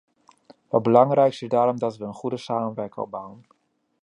Het belangrijkste is daarom dat we een goede samenwerking opbouwen.